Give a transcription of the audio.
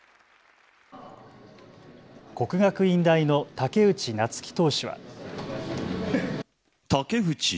国学院大の武内夏暉投手は。